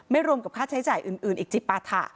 รวมกับค่าใช้จ่ายอื่นอีกจิปาถะ